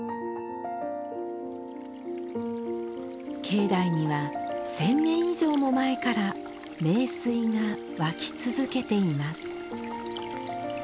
境内には１，０００年以上も前から名水が湧き続けています